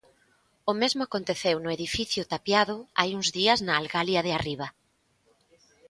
O mesmo aconteceu no edificio tapiado hai uns días na Algalia de Arriba.